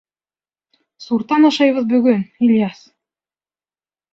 — Суртан ашайбыҙ бөгөн, Ильяс!